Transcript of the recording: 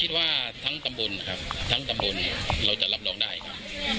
ว่าทั้งตำบลนะครับทั้งตำบลเราจะรับรองได้ครับ